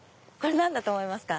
何だと思いますか？